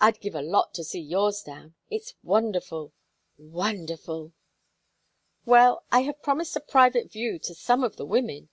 "I'd give a lot to see yours down. It's wonderful wonderful!" "Well, I have promised a private view to some of the women.